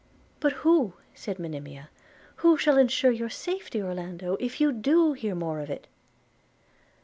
'But who,' said Monimia, 'who shall ensure your safety, Orlando, if you do hear more of it?'